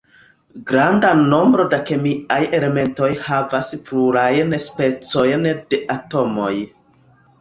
Granda nombro da kemiaj elementoj havas plurajn specojn de atomoj.